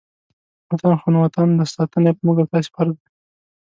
وطن خو نو وطن دی، ساتنه یې په موږ او تاسې فرض ده.